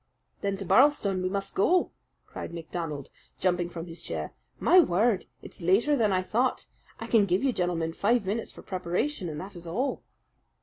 "Then to Birlstone we must go!" cried MacDonald, jumping from his chair. "My word! it's later than I thought. I can give you, gentlemen, five minutes for preparation, and that is all."